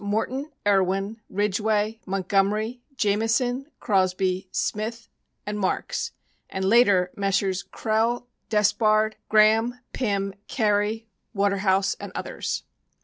Mortin, Erwin, Ridgway, Montgomery, Jamison, Crosby, Smith, and Marks, and later, Messrs. Krehl, Des pard, Graham, Pirn, Carey, Waterhouse, and others.